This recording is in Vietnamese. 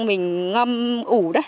mình ngâm ủ